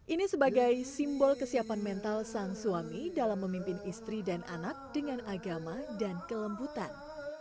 ini sebagai simbol kesiapan mental sang suami dalam memimpin istri dan anak dengan agama dan kelembutan